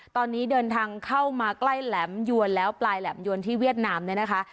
ตอนนี้เดินทางเข้ามาใกล้แหลมยวนแล้วปลายแหลมยวนที่เวียดนามเนี่ยนะคะ